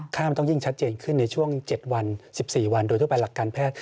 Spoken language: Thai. ไม่ต้องยิ่งชัดเจนขึ้นในช่วง๗วัน๑๔วันโดยทั่วไปหลักการแพทย์